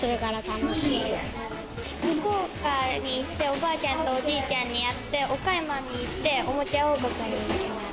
福岡に行って、おばあちゃんとおじいちゃんに会って、岡山に行って、おもちゃ王国に行きます。